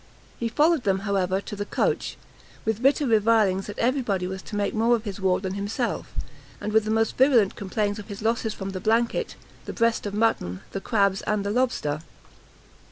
He followed them, however, to the coach, with bitter revilings that every body was to make more of his ward than himself, and with the most virulent complaints of his losses from the blanket, the breast of mutton, the crabs and the lobster!